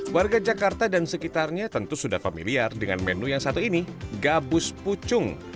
warga jakarta dan sekitarnya tentu sudah familiar dengan menu yang satu ini gabus pucung